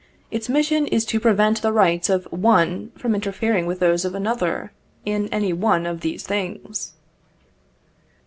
Its mission is to prevent the rights of one from interfering with those of another, in any one of these things.